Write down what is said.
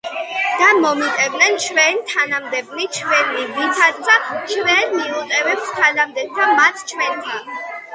და მომიტევენ ჩვენ თანანადებნი ჩვენნი, ვითარცა ჩვენ მივუტევებთ თანამდებთა მათ ჩვენთა